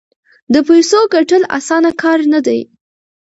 د پیسو ګټل اسانه کار نه دی.